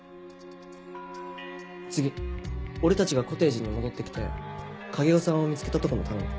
次俺たちがコテージに戻って来て影尾さんを見つけたとこも頼む。